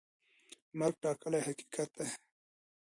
مرګ ټاکلی حقیقت دی.